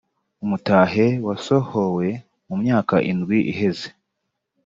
umutahe wasohowe mu myaka indwi iheze